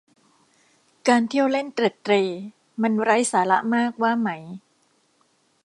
การเที่ยวเล่นเตร็ดเตร่มันไร้สาระมากว่าไหม